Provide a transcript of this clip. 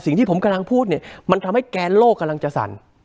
สิ่งที่ผมกำลังพูดเนี่ยมันทำให้แกนโลกกำลังจะสั่น